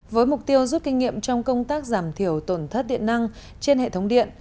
với mục tiêu rút kinh nghiệm trong công tác giảm thiểu tổn thất điện năng trên hệ thống điện